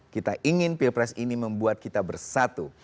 kita ingin pilpres ini membuat kita bersatu